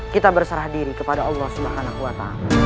kita berserah diri kepada allah swt